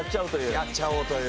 やっちゃおうという。